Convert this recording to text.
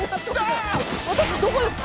私どこですか？